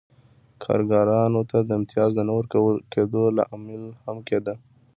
کارګرانو ته د امتیاز د نه ورکول کېدو لامل هم کېده.